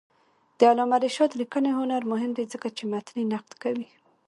د علامه رشاد لیکنی هنر مهم دی ځکه چې متني نقد کوي.